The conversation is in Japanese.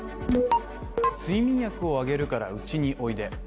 睡眠薬をあげるから、うちにおいで。